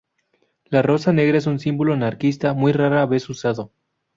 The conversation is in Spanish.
La rosa negra es un símbolo anarquista muy rara vez usado.